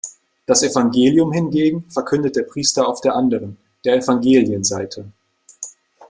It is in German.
Das Evangelium hingegen verkündet der Priester auf der anderen, der Evangelienseite.